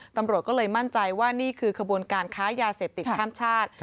ตำรวจก็เลยมั่นใจว่านี่คือขบวนการค้ายาเสพติดข้ามชาติ